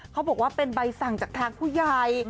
เขาบอกว่าเป็นใบสั่งจากทางผู้ใหญ่